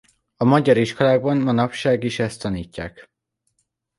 A magyar iskolákban manapság is ezt tanítják.